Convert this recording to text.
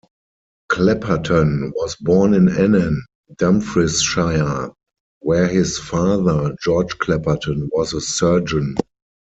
Clapperton was born in Annan, Dumfriesshire, where his father, George Clapperton, was a surgeon.